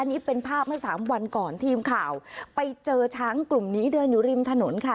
นี่เป็นภาพเมื่อสามวันก่อนทีมข่าวไปเจอช้างกลุ่มนี้เดินอยู่ริมถนนค่ะ